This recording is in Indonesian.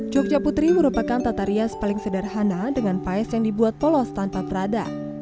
jogja putri merupakan tata rias paling sederhana dengan pais yang dibuat polos tanpa perada